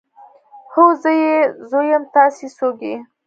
هو زه يې زوی يم تاسې څوک يئ.